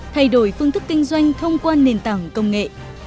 thay đổi phương thức kinh doanh thông qua nền tảng công nghệ